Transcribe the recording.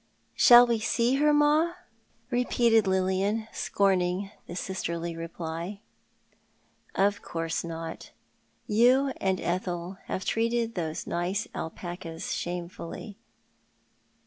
''" Shall wc see her, ma ?'' repeated Lilian, scorning the sisterly reply. "Of course not. You and Ethel have treated those nice alpacas shamefully."